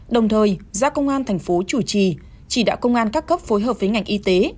đồng thời ra công an thành phố chủ trì chỉ đạo công an các cấp phối hợp với ngành y tế